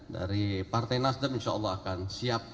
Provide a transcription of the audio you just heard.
dari partai nasdem insyaallah akan siap